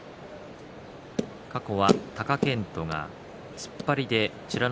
過去は貴健斗が突っ張りで美ノ